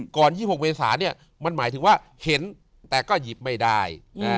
๒๖เมษาเนี่ยมันหมายถึงว่าเห็นแต่ก็หยิบไม่ได้